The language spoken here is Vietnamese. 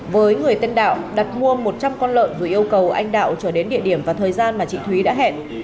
với người tên đạo đặt mua một trăm linh con lợn rồi yêu cầu anh đạo trở đến địa điểm và thời gian mà chị thúy đã hẹn